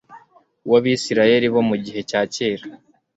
wAbisiraheli bo mu gihe cya kera